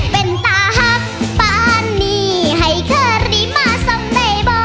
เป็นตาหักบ้านนี้ให้เค้ารีมมาส่งได้บ่